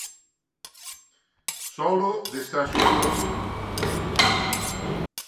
Solo de saxofón.